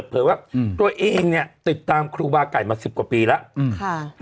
เผยว่าตัวเองเนี่ยติดตามครูบาไก่มาสิบกว่าปีแล้ว